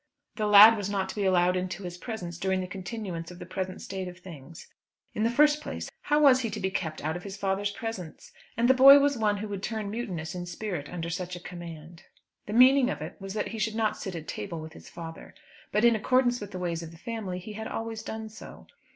The lad was not to be allowed into his presence during the continuance of the present state of things. In the first place, how was he to be kept out of his father's presence? And the boy was one who would turn mutinous in spirit under such a command. The meaning of it was that he should not sit at table with his father. But, in accordance with the ways of the family, he had always done so.